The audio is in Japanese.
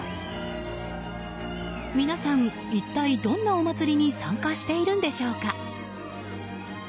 皆さん、一体どんなお祭りに参加しているんでしょうか。